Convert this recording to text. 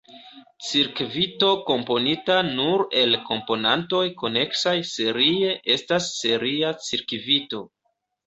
Cirkvito komponita nur el komponantoj koneksaj serie estas seria cirkvito.